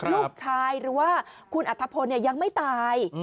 ลูกชายหรือว่าคุณอัธพลยังไม่ตาย